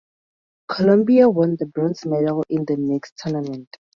Colombia won the bronze medal in the mixed tournament.